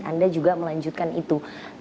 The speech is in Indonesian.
anda juga melanjutkan itu